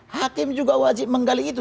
hakim juga wajib menggali itu